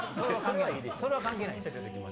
それは関係ないです